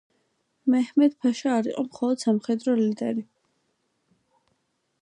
მეჰმედ-ფაშა არ იყო მხოლოდ სამხედრო ლიდერი.